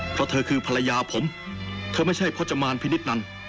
เพราะเธอคือภรรยาผมเธอไม่ใช่พจมานพินิษฐนัน